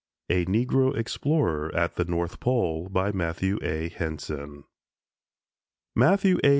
A NEGRO EXPLORER AT THE NORTH POLE MATTHEW A. HENSON "Matthew A.